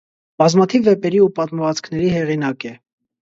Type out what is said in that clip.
Բազմաթիվ վեպերի ու պատմվածքների հեղինակ է։